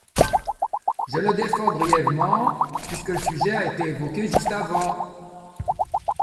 Je le défends brièvement, puisque le sujet a été évoqué juste avant.